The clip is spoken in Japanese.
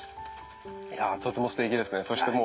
いやとてもステキですね。